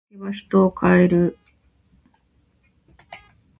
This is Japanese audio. お酒は人を変える。